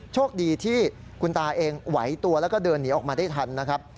โชคดีที่คุณตาเองไหวตัวแล้วก็เดินหนีออกมาได้ทันนะครับ